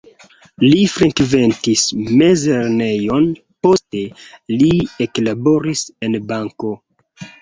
Li frekventis mezlernejon, poste li eklaboris en banko.